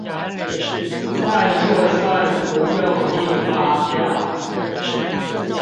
但就算不用印發票